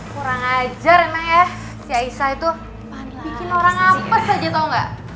kurang ajar emang ya si aisyah itu bikin orang hapus aja tau gak